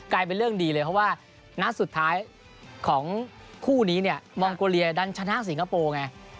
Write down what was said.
เป็นเรื่องดีเลยเพราะว่านัดสุดท้ายของคู่นี้เนี่ยมองโกเลียดันชนะสิงคโปร์ไง